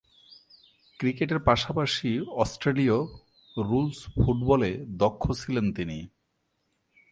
ক্রিকেটের পাশাপাশি অস্ট্রেলীয় রুলস ফুটবলে দক্ষ ছিলেন তিনি।